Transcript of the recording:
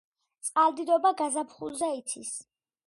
წყალდიდობა გაზაფხულზე იცის.